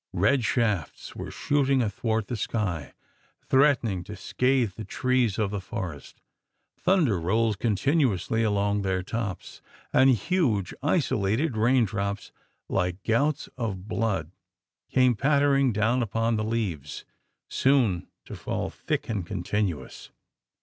Red shafts were shooting athwart the sky threatening to scathe the trees of the forest; thunder rolled continuously along their tops; and huge isolated rain drops, like gouts of blood, came pattering down upon the leaves soon to fall thick and continuous!